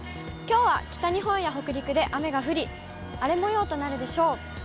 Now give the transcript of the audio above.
きょうは北日本や北陸で雨が降り、荒れもようとなるでしょう。